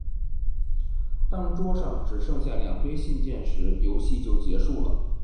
当桌上只剩下两堆信件时，游戏就结束了。